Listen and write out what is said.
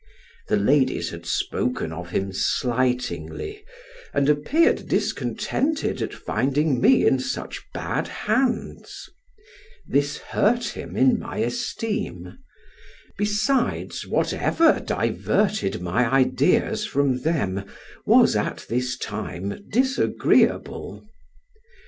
The ladies had spoken of him slightingly, and appeared discontented at finding me in such bad hands; this hurt him in my esteem; besides, whatever diverted my ideas from them was at this time disagreeable.